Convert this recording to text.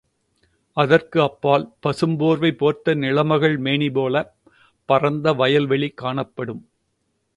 அதற்கு அப்பால் பசும் போர்வை போர்த்த நிலமகள் மேனிபோலப் பரந்த வயல் வெளி காணப்படும்.